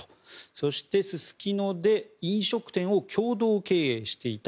そして、すすきので飲食店を共同経営していた。